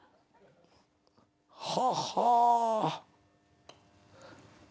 はっはぁ。